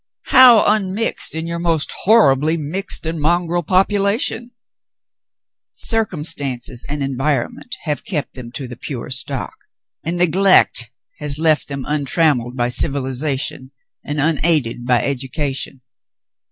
"How unmixed in your most horribly mixed and mon grel population '^" "Circumstances and environment have kept them to the pure stock, and neglect has left them untrammelled by civilization and unaided by education.